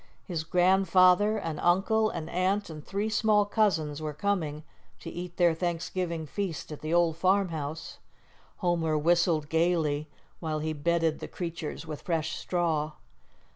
His grandfather, an uncle, an aunt, and three small cousins were coming to eat their Thanksgiving feast at the old farmhouse. Homer whistled gaily, while he bedded the creatures with fresh straw.